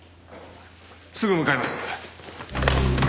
すぐ向かいます。